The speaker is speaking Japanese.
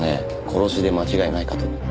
殺しで間違いないかと。